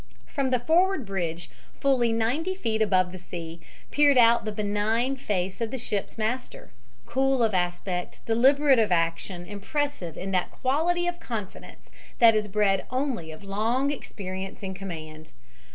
From the forward bridge, fully ninety feet above the sea, peered out the benign face of the ship's master, cool of aspect, deliberate of action, impressive in that quality of confidence that is bred only of long experience in command.